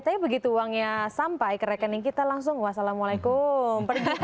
tapi begitu uangnya sampai ke rekening kita langsung wassalamualaikum